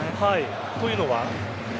というのは？